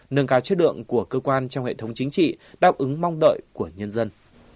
nâng cao chất lượng của cơ quan trong hệ thống chính trị đáp ứng mong đợi của nhân dân